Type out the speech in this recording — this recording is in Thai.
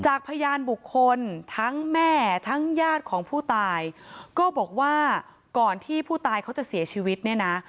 พยานบุคคลทั้งแม่ทั้งญาติของผู้ตายก็บอกว่าก่อนที่ผู้ตายเขาจะเสียชีวิตเนี่ยนะ